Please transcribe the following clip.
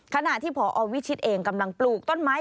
ขณะที่พอวิชิตเองกำลังปลูกต้นไม้